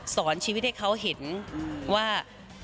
สอนชีวิตให้เขาเห็นว่า